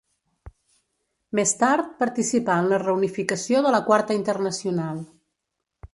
Més tard participà en la reunificació de la Quarta Internacional.